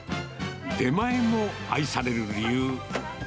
出前も愛される理由。